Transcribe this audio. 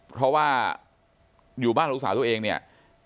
เพราะว่าอยู่บ้านลูกสาวตัวเองเนี่ย